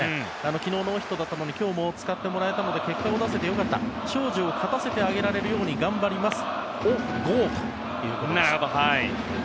昨日ノーヒットだったのに今日も使ってもらえたので結果を出せてよかった荘司を勝たせてあげられるように頑張りますということです。